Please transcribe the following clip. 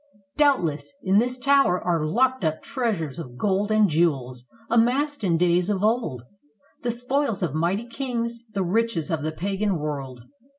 Doubtless in this tower are locked up treasures of gold and jewels, amassed in days of old, the spoils of mighty kings, the riches of the pagan world.